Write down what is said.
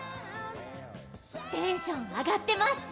テンション上がってます！